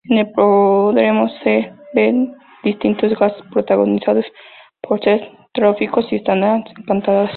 En el podremos ver distintos gags protagonizados por seres terroríficos y estancias encantadas.